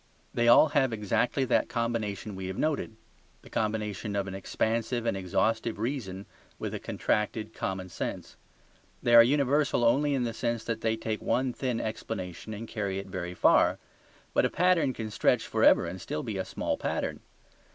They all have exactly that combination we have noted: the combination of an expansive and exhaustive reason with a contracted common sense. They are universal only in the sense that they take one thin explanation and carry it very far. But a pattern can stretch for ever and still be a small pattern.